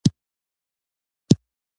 هیواد ته وفاداري ایمان دی